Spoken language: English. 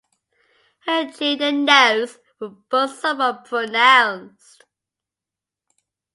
Her chin and nose were both somewhat pronounced.